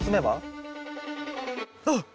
あっ！